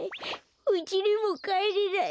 うちにもかえれない。